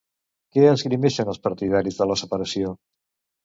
Què esgrimeixen els partidaris de la separació?